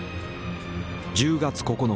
１０月９日。